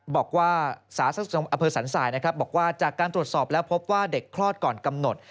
บอกว่าสาธารณสุขอำเภอสันสายนะครับบอกว่าจากการตรวจสอบแล้วพบว่าเด็กคลอดก่อนกำหนด